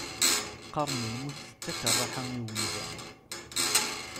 Qqaren lmut tettak rraḥa i umdan.